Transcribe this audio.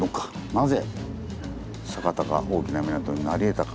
なぜ酒田が大きな港になりえたか。